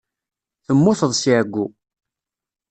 Temmuteḍ seg ɛeyyu.